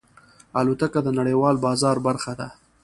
الوتکه د نړیوال بازار برخه ده.